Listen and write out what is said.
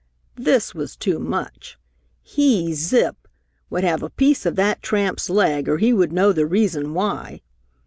This was too much. He, Zip, would have a piece of that tramp's leg or he would know the reason why!